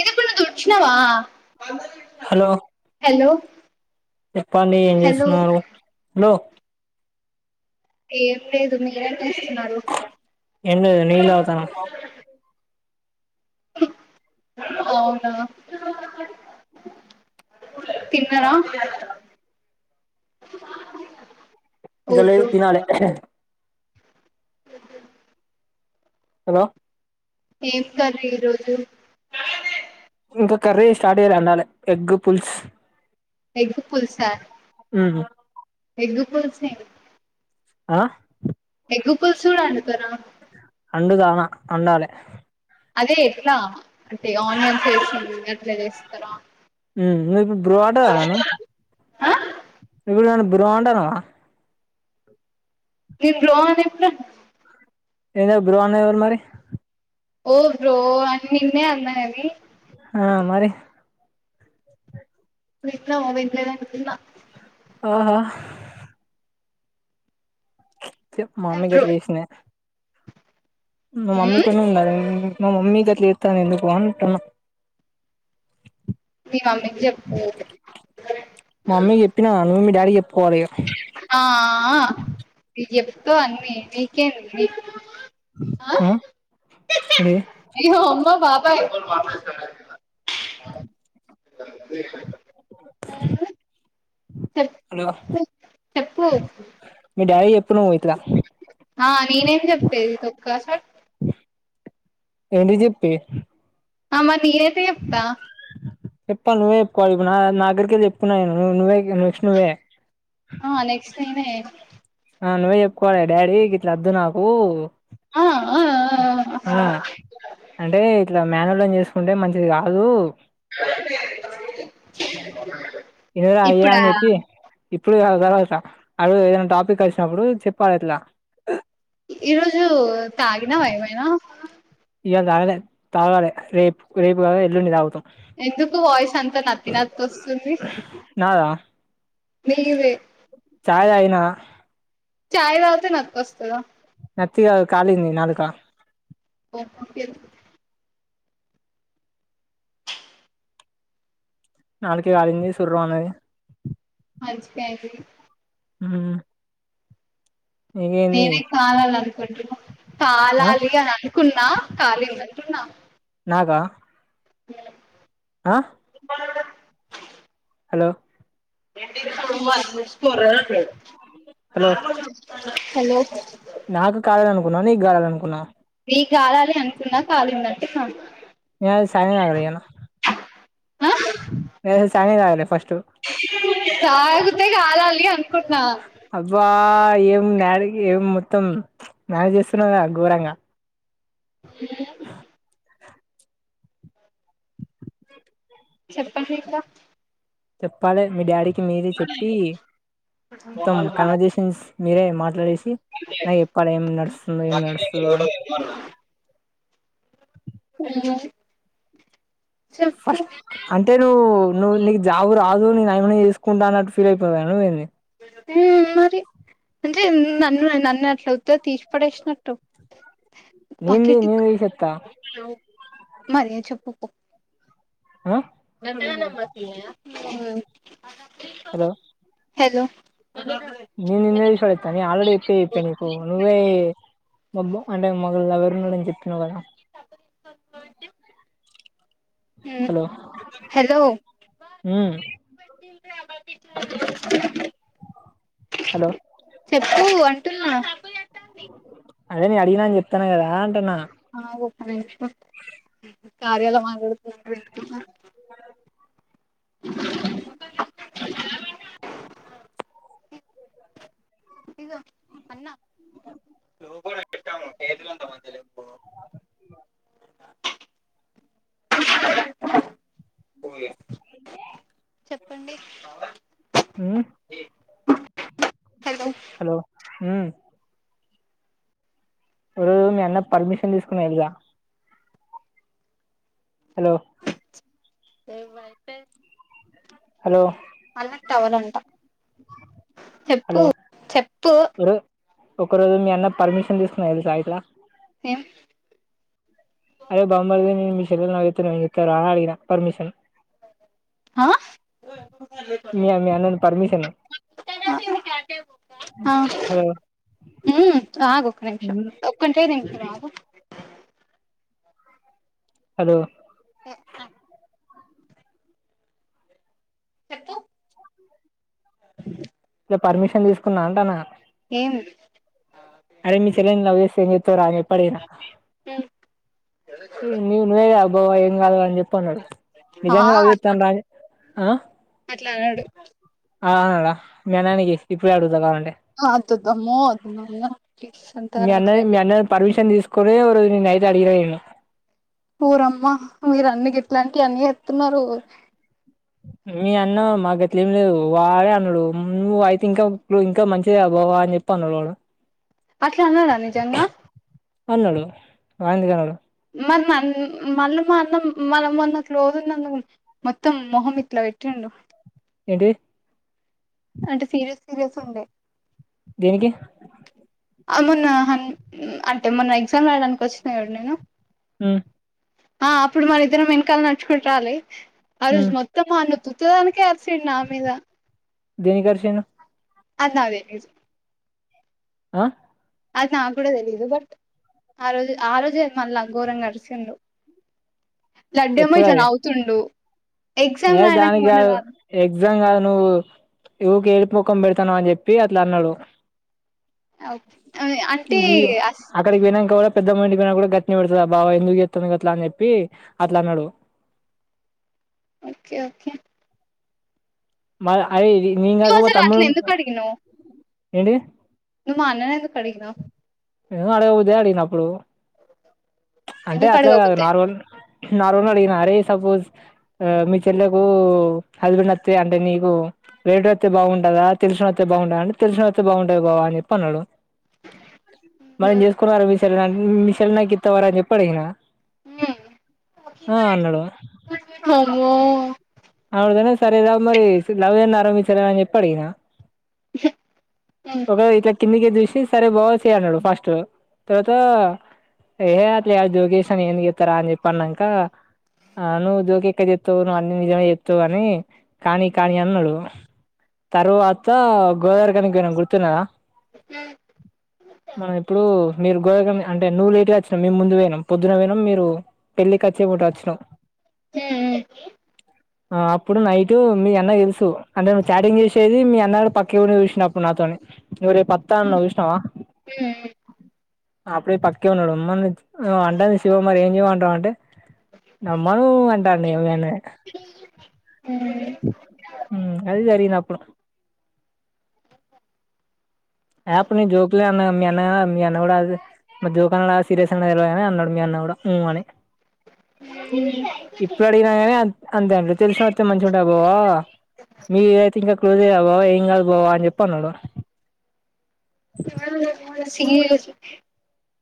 ఇది కొన్న ఉష్ణవా hello hello చెప్పండి ఏం హలో చేస్తున్నారు హలో ఏం లేదు మీ ఏం లేదు నీళ్లు తాగతున్న అవునా తిన్నారా ఓ బ్రో [unintelligible] తినాలి హలో ఏం కర్రీ ఈరోజు? ఇంకా కర్రీ స్టార్ట్ [unintelligible] అండాలి ఎగ్ పుల్సు ఎగ్గుపుల్సా ఎగ్గు పుల్సింగ్ ఆ ఎగ్గు పులుసు గూడ వండుతర? అడుదానా అంటాల [inaudible] అదే ఎట్లా అంటే ఆనియన్స్ అట్లా జేస్తరా నువ్వు ఇప్పుడు బ్రో అంటావా బ్రండనవా నిం రోనిప్ రా ఏంద బ్రహన్ ఎవరు మరి ఓ బ్రో అని నిన్నే అన్నా అని ఆ మరి విన్నావా వినలేదనుకున్న ఆఓహో మామీ బ్రో గర చేసనే మా మమ్మీ ఉమ్ కొని ఉండారండి మా మమ్మీ గట్ల చేత్తాంది ఎందుకు అంటున్న మీ మమ్మీకి చెప్పు మమ్మీకి చెప్పినవా నువ్వు డాడీకి చెప్పుకోవాలి ఇగ ఆ నువ్వు చెప్తవు అన్నీ నీకేంది ఆ ఏంటిది అయ్యో అమ్మో బాబాయ్ [inaudible] చెప్ హలో చెప్పు మీ డాడీకి చెప్పు నువ్వే ఆ నేనేం చెప్తే ఇక తొక్క చల్ ఏంటిది చెప్పేది ఆ మరి నేనెట్ల చెప్తా చెప్పాలి నువ్వే చెప్పుకోవాలి ఇప్పుడు నాదగ్గరికేళి చెప్పుకున్నవనుకో నువ్వే ఇగ నెక్స్ట్ నువ్వే ఆ నెక్స్ట్ నేనే ఆ నువ్వే చెప్పుకోవాలి డాడీ గిట్ల వద్దు నాకు ఆ ఆ ఆ అంటే ఇట్ల మేనోళ్ళని చేసుకుంటే మంచిది కాదు [unintelligible] అయ్యా ఇప్పుడా అని చెప్పి ఇప్పుడు కాదు తర్వాత అ రోజు ఏదైనా టాపిక్ వచ్చినప్పుడు చెప్పాలి ఇట్లా ఈరోజు తాగినవా ఏమైనా ఇయాల తాగాలే తాగాలి రేపు రేపు కాదు ఎల్లుండి తాగుతం ఎందుకు వాయిస్ అంత నత్తి నత్తి వస్తుంది నాదా నీదే చాయ్ తాగిన చాయ్ తాగితే నత్తి వస్తదా నత్తి కాదు కాలింది నాలుక నాలుక కాలింది సుర్రుమన్నది మంచిగైంది ఆ నేనే కాలాలనుకుంటున్న ఆ కాలాలి అని అను కున్నా కాలిందంటున్నా బాగా లో ఆ హలో ఏకో హలో హలో నాకు కాలలేదనుకున్నవా నీకు కాలలేదనుకున్నవా నీకు కాలాలి అనుకున్న కాలిందంటే సంత నేనైతే సానియాకి తగిలిన తాగనే తాగలే ఫస్ట్ తాగుతే కాలాలి అనుకున్నా ఆ ఏం యాక్టింగ్ ఏం మొత్తం మేనేజ్ చేస్తున్నావ్ కదా ఘోరంగా ఏమి చెప్పండి ఇంకా చెప్పాలి మీ డాడీకి మీరే చెప్పి మొత్తం కన్వర్జేషన్స్ మీరే మాట్లాడేసి నాకు చెప్పాలే ఏం నడుస్తుంది ఏం నడుస్తలేదో అని ఆ ఫస్ట్ అంటే ను నువ్ నీకు జాబ్ రాదు నేను ఆమెనే చేసుకుంటానున్నటు ఫీల్ అయిపోయినవా నువ్ ఏంది ఉమ్ మరి అంటే నన్ను నన్ను అట్ల ఉత్తగ తీసి పడేసినట్టు నిన్ బకెట్ నేన్ దీసేస్తా మరి చెప్పుకో ఆ హలో అ నిన్ నేన్ దీస్ పడేత్తా నేన్ ఆలరేడి ఇప్పే ఇప్పే నీకు నువ్వే బబ్బా అంటే మాక్ లవర్ ఉన్నడు అని చెప్పినవు గదా తీసుకొచ్చి కోవద్దు హలో ఉమ్ హలో చెప్పు అం టున్నా అదే నేన్ అడిగిన అని చెప్తానా గదా అంటన్నా ఆగు అది యేసుకో కార్యాల బాగొత్తవ్ యేసుకోమా [inaudible] ఇగో అన్నా [inaudible] లోపల పెట్టమ్మ చేతులంత మంచిగలేవ్ పో పో ఇగ చెప్పండి ఉమ్ హలో హలో ఉమ్ ఒక రోజు మీ అన్న పర్మిషన్ తీసుకునే యెళ్ళిరా హలో ఏ వయితే హలో అన్నకు టవాలంట చెప్పు హలో చెప్పు ఒరు ఒక రోజు మీ అన్న పర్మిషన్ తీసుకున్నా తెలుసా ఇట్లా ఏం అరే బామ్మర్ది నేన్ మీ చెల్లె లవ్ చేత్తున ఇత్తావా అడిగిన పర్మిషన్ ఆ మీ మీ అన్నను పర్మిషన్ ఆ హలో ఉమ్ ఆగు ఒక్క నిమిషం ఉమ్ ఒక్కంటే నిమిషం ఆగు హలో ఏ ఆగు చెప్పు [inaudible] ఇట్లా పర్మిషన్ తీసుకున్నా అంటానా ఏంద్ అరే మీ చెల్లన్ని లవ్ జేత్తే ఏం జెత్తవ్ రా అని జెప్పి అడిగినా నువ్ నువ్వే గా బావ ఏం గాదు అని చెప్పి అన్నడు ఆ నిజంగా లవ్ జెత్తండా ఆ అట్లా అనడు ఆవుననడా మీ అన్ననే జేసి ఇప్పుడే అడుగుత కావాలంటే అంతొద్దు అమ్మో వద్దు నాయన ప్లీస్ అంత అట్ల కొరియో ఒక రోజు నైట్ అడిగిన నేను ఓరమ్మ మీరు అన్ని గిట్లాంటివి అన్ని చేత్తున్నారు మీ అన్న మాక గట్లేమి లేదు వాడే అన్నాడు నువ్వు అయితే ఇంకా ఇంకా మంచిది అ బావ అని జెప్పి అన్నడు వాడు అట్ల అన్నాడా నిజంగా అన్నడు ఆ ఎందుకు అన్నడు మరి మళ్ళ మా అన్నం మనం మొన్నట్లుదున్న మొత్తం మొహం ఇట్లా పెట్టి [unintelligible] ఏంటి అంటే సీరియస్ సీరియస్ ఉండే దేనికి ఆ మొన్న అం అంటే మొన్న ఎగ్జామ్ రాయ డానికి వచ్చిన చూడు నేను ఉం ఆ అప్పుడు మనం ఇద్దరం వెనకాల నడుచుకుంట రాలె ఆ రోజు ఉమ్ మొత్తం అన్న వుత్తదానికే అరిసిండు నా మీద దెనికరిసిండు అది నాకు తెలియదు ఆ అది నాకు కూడా తెలీయదు బట్ ఆ రోజు ఆ రోజే మళ్ళ ఘోరంగా అరిసిండు లడ్డేమో ఎప్పుడు ఇట్ల అది నవుతుండు ఏ దానికి కాదు ఎగ్జామ్ కాదు నువ్వు ఊకె ఏడ్ ముఖం పెడతాన్నవు అని చెప్పి అట్లా అన్నడు అంటే గి అక్కడికి పోయినాంక పెద్దమ్ండికినా కూడా గట్ని పెడుతుందిా బాబ ఎందుకు చెస్తుాడు అట్లా అని చెప్పి అట్లా అన్నాడు [unintelligible] ఓకే ఓకే మ అయి నేను నువ్వు కాకపోతే అసలు తమ్ము అట్లా ఎందుకు అడిగినవ్ ఏంటి నువ్వు మా అన్నని ఎందు కడిగినవ్ ఎదో అడగబుద్దయి అడిగినప్పుడు అంటే ఎందుకు అట్లా కాదు అడగబుద్ది నార్మల్ నార్మల్గా అడిగిన అరే సపోజ్ మీ చెల్లెకు హస్బెండ్ అస్తే అంటే నీకు రేటు అయితే బాగుంటుందా తెలిసిన అయితే బాగుంటంద అంటే తెలిసిన అయితే బాగుంటుంది బావ అని చెప్పి అన్నాడు మరి అయింది నేను చేసుకోనర మీ చెల్లి మీ చెల్లిని నాకు ఇత్త వర అని చెప్పి అడిగిన ఉం ఆ అన్నాడు వామ్మో అవునుతనే సరే ఏదా మరి లవ్ ఏన్న ఆరంించలే చెప్పడినా [unintelligible] [inaudible] ఒకే ఇట్లా కిందికి చూసి సరే బావ చేయు అన్నడు ఫస్ట్ తర్వాత ఏహ్ అట్లా జోకేసా అని నేను ఎందుకు చెప్తారా అని చెప్పి అన్నంక ఆ నువ్వు జోక్ ఎక్కడ చెత్తవ్ నువ్వు అన్ని నిజమే చేత్తవ్ అని కాని కాని అన్నడు తరువాత గోదావరి ఖని కి పోయినం గుర్తు న్నద మనం ఇప్పుడు మీరు గోదావరి ఖని అంటే నువ్వు లేట్గా వచ్చినవు మేము ముందు పోయినమ్ పొద్దున పోయినాం మీరు పెళ్లికి వచ్చే పూట వచ్చినం హ్మ్ ఆ అప్పుడు నైట్ ప్పుడు మీ అన్న కి తెలుసు అంటే నువ్వు చాటింగ్ చేసేది మీ అన్నా గాని పక్క ఎవడో చూసినప్పుడు నాతోని ఎవరో పత్త అన్న చూసినవా ఉం అప్పుడే పక్కే ఉన్నాడుమ్మని అంటంది శివకుమరి ఏం జయవ అంటాం అంటే [unintelligible] రమ్మను అంటాడు ఇగ మీ అన్నయ హ్మ్ హ్మ్. ఉం అది జరిగింది అప్పుడు ఏప్పుడు జోకలా అ అ అన కూడాడదు [unintelligible] మరి జోక్ అన్నడ సీరియస్ అన్నడా తెల్వదు గానీ అన్నడు మీ అన్న కూడా అన్నడు ఉం ఆని ఇప్పుడు అడిగినా కానీ అంతే అంటడు తెలిసిన వస్తే మంచి ఉంటది బావా మీ అయితే ఇంకా క్లోజ్ గే బావా ఏం కాదు బావా అని చెప్పి అన్నడు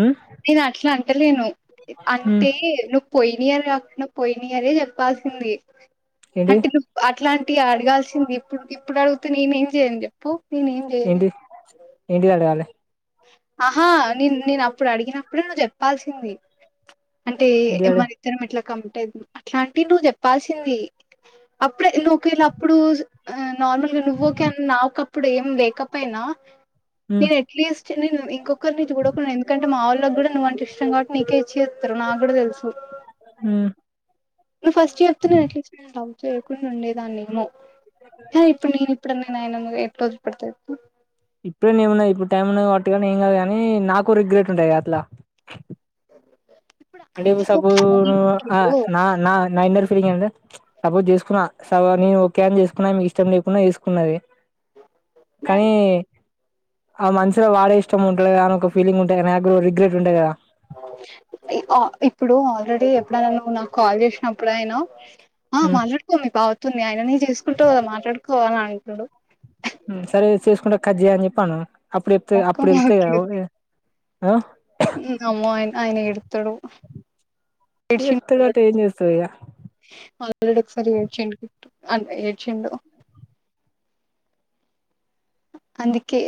ఉమ్ నేను అట్లా అంటలేను ఉమ్ అంటే ను పోయిన ఇయర్ కాకుండా పోయిన ఇయరే చెప్పాల్సింది ఏంటి అంటే ఇప్పు ఇట్లాంటివి అడగాల్సింది ఇప్పుడు ఇప్పుడు అడుగుతే నేనే ఏం చెయను చెప్పు నేనే ఏం చేయలేను ఏంటి గాడు రాలే ఆహా ని నేను అప్పుడు అడిగినప్పుడే నువ్వు చెప్పాల్సింది అంటే ఏంటిది అడగా మది ఇద్దరం ఇట్లా క అట్లాంటివి నువ్వు చెప్పాల్సింది అప్పుడే లోకేళ్ళప్పుడు ఆ నార్మల్ గా నువ్వు నాకు నాకెప్పుడు ఏం లేకపోయినా ఉమ్ నేను అట్లీస్ట్ నేను ఇంకొకరి నుంచి చడకున్నాను ఎందుకంటే అంటే మా వాళ్ళకి కూడా నువ్వంటే ఇష్టం కాట్టి నీకే ఇచ్చి చేస్తారు నాకు కూడా తెలుసు ఉ నువ్వు ఫస్ట్ చెప్తే అట్లీస్ట్ నేను నిన్ను లవ్ చేయకుండా ఉండేదాన్ని ఏమో ఇప్పుడు నేను ఇప్పుడ నాయనా నువ్వు నన్ను ఎప్పుడు వదిలిపెడతావో చెప్పు ఇప్పుడే ఏన్నా ఇప్పుడు టైం ఉన్నా పట్టి కానీ ఏం కాదు ని నాకు రిగ్రెట్ ఉంటాయి కద అట్లా [unintelligible] ఆయనకి ఒక టైం సపోర్టు స ఇవ్వు. నా నా అంటే సపోజ్ చేసుకున్నా స నేను ఓకే అని చేసుకున్నా మీకు ఇష్టం లేకుండా చేసుకున్నది కానీ ఆ మనసులో వాడే ఇష్టం ఉంటుదు కదాని ఒక ఫీలింగ్ ఉంటాయి కదా రిగ్రెట్ ఉంటాయి కదా ఇప్పుడు ఆల్రెడీ ఎప్పుడ నన్ను నాకు కాల్ చేసినప్పుడు ఆయినా ఆ హ్మ్, మాట్లాడుకో మీ బావ తో ఆయననే చేసుకుంటా కదా మాట్లాడుకో అంటాడు సరే చేసుకుంటే కట్ చెయ్ అని అనాలే అప్పుడు చెప్తే మొఖం అప్పుడు వెళ్తే పగిలిద్ది హలో అమ్మో. అయినా ఆయన చెప్తాడు ఎత్తడట ఏం [unintelligible] చేస్తావు ఇక ఒకసారి ఏడ్చండు అన్న ఏడ్చండు అందుకే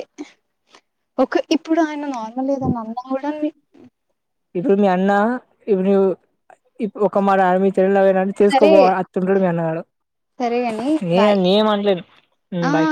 ఒక ఇప్పుడు ఆయన నార్మల్ ఏదన్నా అన్నాం కూడా ఇప్పుడు మీ అన్న ఇప్పుడుప్పు ఒక మాట ఆర్మ తెల్లవనా తీసుకో అతుంటడు మీ అన్నాగాడు సరేగాని బాయ్ ఆ బాయ్